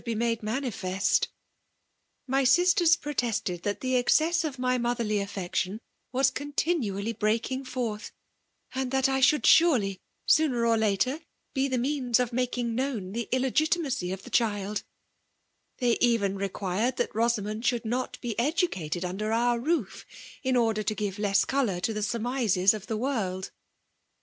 te made manifest My sisters protested that the excess of my motherly affection was contin«aU(f breaking forth, and that I should suid^, sooner or later, be the means of making known the illegitimacy of the child ; they even required that Bosamond should not be educated under our roof, — in. order to give less colour to the surmises of the world.